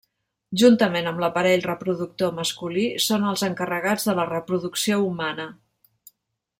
Juntament amb l'aparell reproductor masculí, són els encarregats de la reproducció humana.